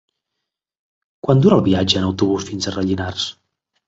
Quant dura el viatge en autobús fins a Rellinars?